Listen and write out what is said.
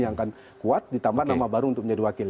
yang akan kuat ditambah nama baru untuk menjadi wakil